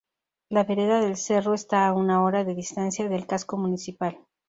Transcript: La Vereda el Cerro está a una hora de distancia del casco municipal.